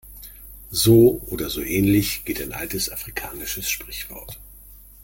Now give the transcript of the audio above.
So oder so ähnlich geht ein altes afrikanisches Sprichwort.